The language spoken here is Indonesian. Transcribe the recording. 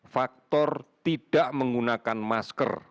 faktor tidak menggunakan masker